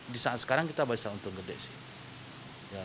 di saat sekarang kita bisa untung gede sih